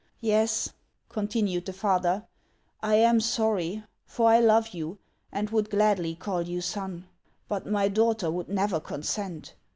" Yes," continued the father. " I am sorry ; for I love you, and would gladly call you son. But my daughter would never consent.